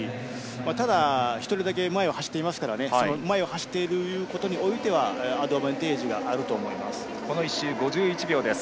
ただ、１人だけ前を走っていますから前を走っていることについてはアドバンテージがあると思います。